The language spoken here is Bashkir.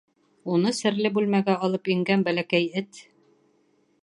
Уны серле бүлмәгә алып ингән бәләкәй эт: